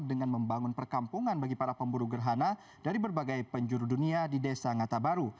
dengan membangun perkampungan bagi para pemburu gerhana dari berbagai penjuru dunia di desa ngata baru